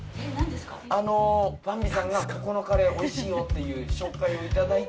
あの「ばんび」さんがここのカレー美味しいよっていう紹介を頂いて。